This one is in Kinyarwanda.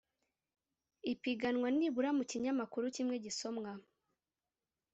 ipiganwa nibura mu kinyamakuru kimwe gisomwa